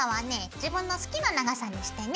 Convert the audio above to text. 自分の好きな長さにしてね。